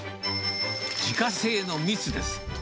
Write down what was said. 自家製の蜜です。